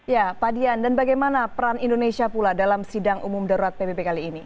ya pak dian dan bagaimana peran indonesia pula dalam sidang umum darurat pbb kali ini